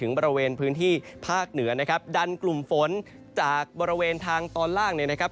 บริเวณพื้นที่ภาคเหนือนะครับดันกลุ่มฝนจากบริเวณทางตอนล่างเนี่ยนะครับ